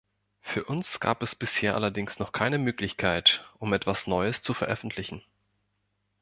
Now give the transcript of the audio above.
Für uns gab es bisher allerdings noch keine Möglichkeit, um etwas Neues zu veröffentlichen.